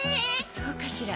そうかしら？